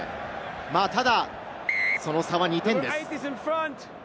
ただ、その差は２点です。